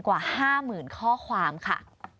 กว่า๕๐๐๐ข้อความค่ะ